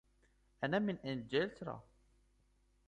أنا من إنجلترا.